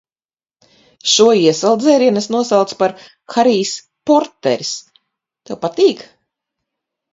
Šo iesala dzērienu es nosaucu par "Harijs Porteris". Tev patīk?